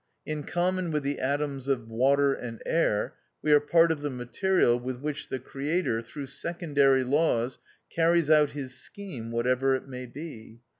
In common with the atoms of water and air, we are part of the material with which the Creator, through secondary laws, carries out his scheme, whatever it may be.